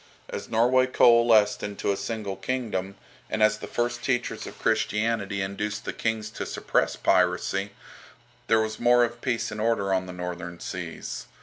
As Norway coalesced into a single kingdom, and as the first teachers of Christianity induced the kings to suppress piracy, there was more of peace and order on the Northern Seas.